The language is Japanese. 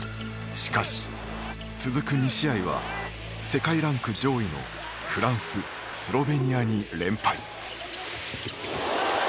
しかし、続く２試合は世界ランク上位のフランス、スロベニアに連敗。